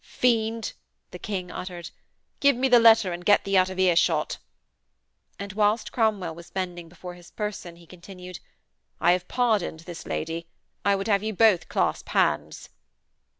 'Fiend,' the King uttered. 'Give me the letter and get thee out of earshot.' And whilst Cromwell was bending before his person, he continued: 'I have pardoned this lady. I would have you both clasp hands.'